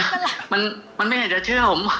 มันมันไม่อยากเชื่อผม